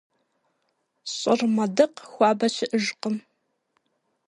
ЩӀыр мэдыкъ, хуабэ щыӀэжкъым.